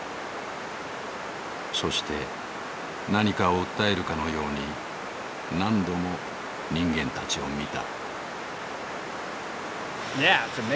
そして何かを訴えるかのように何度も人間たちを見た。